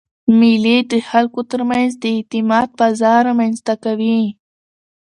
مېلې د خلکو ترمنځ د اعتماد فضا رامنځ ته کوي.